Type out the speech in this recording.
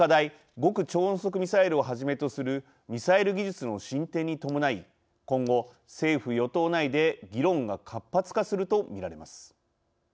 極超音速ミサイルをはじめとするミサイル技術の進展に伴い今後、政府・与党内で議論が活発化すると見られます。